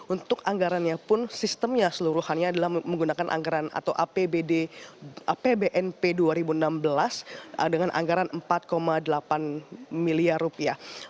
untuk anggarannya pun sistemnya seluruhannya adalah menggunakan anggaran atau apbnp dua ribu enam belas dengan anggaran empat delapan miliar rupiah